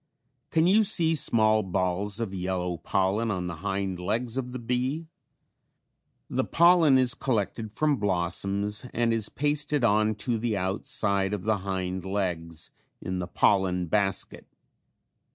Can you see small balls of yellow pollen on the hind legs of the bee? The pollen is collected from blossoms and is pasted on to the outside of the hind legs in the pollen basket.